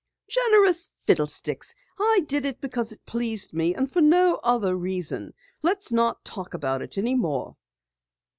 "Generous, fiddlesticks! I did it because it pleased me and for no other reason. Let's not talk about it any more."